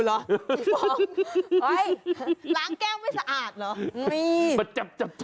เหรอล้างแก้วไม่สะอาดเหรอ